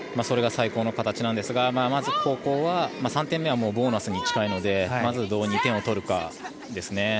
それが最高の形なんですがまず、後攻は３点目はボーナスに近いのでまずどう２点を取るかですね。